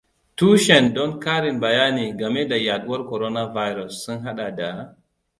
Tushen don ƙarin bayani game da yaduwar coronavirus sun haɗa da: